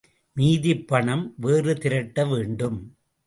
மீதிப்பணம், வேறு திரட்ட வேண்டும்.